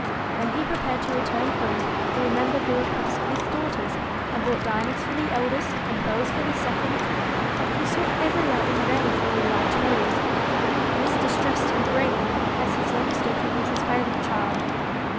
When he prepared to return home, he remem bered the requests of his daughters, and bought diamonds for the eldest and pearls for the second ; but he sought everywhere in vain for a white rose. This distressed him greatly, as his youngest daughter was his favourite child.